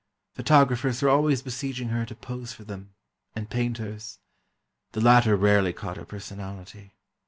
Photographers were always besieging her to pose for them, and painters. The latter rarely caught her personality.